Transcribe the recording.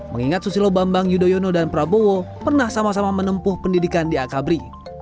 mengingat susilo bambang yudhoyono dan prabowo pernah sama sama menempuh pendidikan di akabri